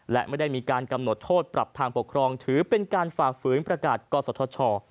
และไม่ได้มีการกำหนดโทษปรับทางปกครองถือเป็นการฝ่าฝืนประกาศกศธช